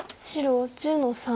白１０の三。